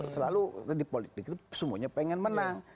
selalu di politik itu semuanya pengen menang